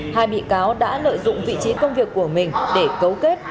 hai bị cáo đã lợi dụng vị trí công việc của mình để cấu kết